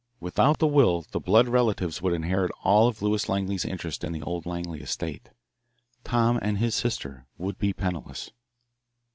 Without the will the blood relatives would inherit all of Lewis Langley's interest in the old Langley estate. Tom and his sister would be penniless.